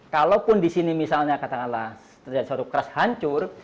kalaupun di sini misalnya katakanlah terjadi suatu crash hancur